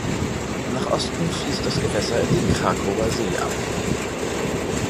Nach Osten fließt das Gewässer in den Krakower See ab.